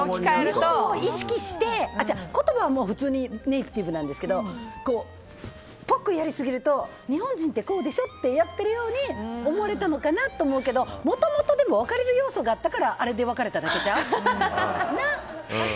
言葉は普通にネイティブなんですけどっぽくやりすぎると日本人ってこうでしょってやってるように思われたのかなと思うけどもともと、別れる要素があったから別れただけちゃう？